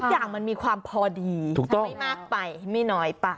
อย่างมันมีความพอดีถูกต้องไม่มากไปไม่น้อยไป